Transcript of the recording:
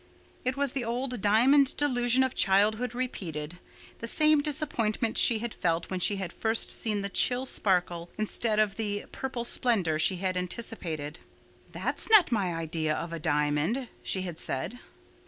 It was the old diamond disillusion of childhood repeated—the same disappointment she had felt when she had first seen the chill sparkle instead of the purple splendor she had anticipated. "That's not my idea of a diamond," she had said.